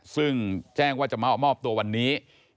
ซึ่งแจ้งว่าจะมามอบตัววันนี้